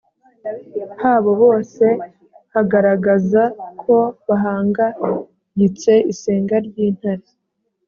habo bose hagaragaza ko bahangayitse isenga ry intare